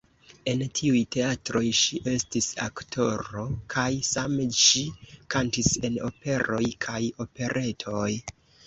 En tiuj teatroj ŝi estis aktoro kaj same ŝi kantis en operoj kaj operetoj.